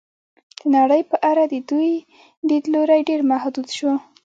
د نړۍ په اړه د دوی لید لوری ډېر محدود شو.